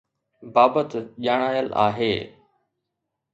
بابت ڄاڻايل آهي